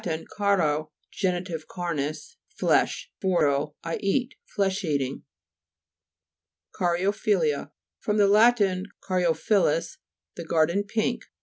caro, (geni tive carra's,) flesh, voro, I eat. Flesh eating. CA'RYOPHY'LLTA fr. lat. caryo' phyllus, the garden pink.